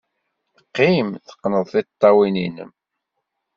Qqim, teqqned tiṭṭawin-nnem.